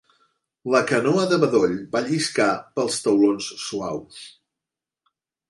La canoa de bedoll va lliscar pels taulons suaus.